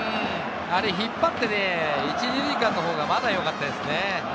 引っ張ってね、１・２塁間のほうがまだよかったですね。